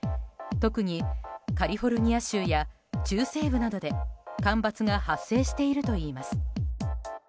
特にカリフォルニア州や中西部などで干ばつが発生しているといいます。